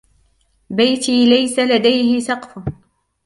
بيتي ليس لديه سقف.